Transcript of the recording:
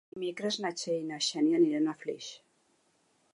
Dimecres na Txell i na Xènia aniran a Flix.